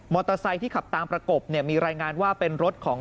มอเตอร์ไซค์ที่ขับตามประกบมีรายงานว่าเป็นรถของ